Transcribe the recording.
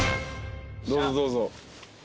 どうぞどうぞ。